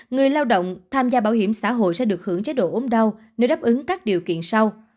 người lao động tham gia bảo hiểm xã hội sẽ được hưởng chế độ ốm đau nếu đáp ứng các điều kiện sau